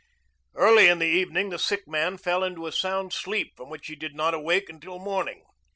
Early in the evening the sick man fell into a sound sleep from which he did not awake until morning.